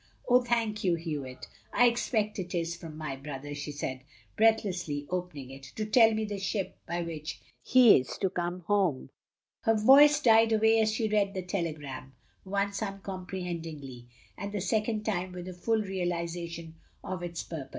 "Oh, thank you, Hewitt. I expect it is — from my brother," she said, breathlessly opening it — "to tell me the ship by which he is to come home " Her voice died away as she read the telegram^ once uncomprehendingly, and the second time with a full realisation of its purport.